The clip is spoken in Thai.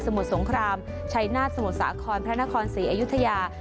มุทรสงครามชัยนาฏสมุทรสาครพระนครศรีอยุธยา